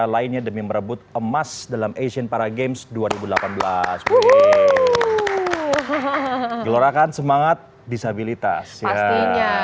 lainnya demi merebut emas dalam asian para games dua ribu delapan belas gelorakan semangat disabilitas ya